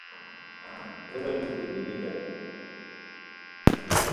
ہیرا گیتی دونیتائے